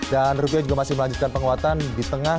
dan rupiah juga masih melanjutkan penguatan di tengah